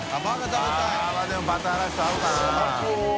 戮燭ぁ鯖でもバターライスと合うかな？